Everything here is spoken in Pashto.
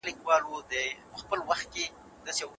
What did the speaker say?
هغوی د خپلو هڅو په برکت هوسا شوي.